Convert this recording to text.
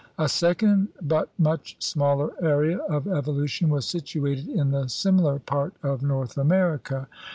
A second but much smaller area of evolution was situated in the similar part of North America.